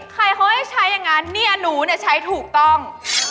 ใครเขาให้ใช้อย่างนั้นเนี่ยหนูเนี่ยใช้ถูกต้อง